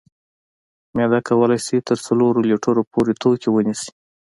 معده کولی شي تر څلورو لیترو پورې توکي ونیسي.